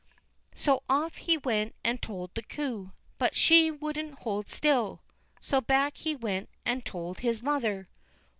So off he went and told the coo, but she wouldn't hold still, so back he went and told his mother.